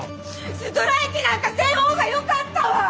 ストライキなんかせん方がよかったわ！